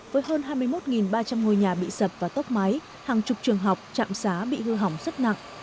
với hơn hai mươi một ba trăm linh ngôi nhà bị sập và tốc máy hàng chục trường học trạm xá bị hư hỏng rất nặng